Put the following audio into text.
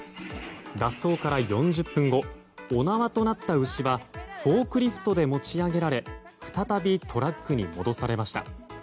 脱走から４０分後お縄となった牛はフォークリフトで持ち上げられ再びトラックに戻されました。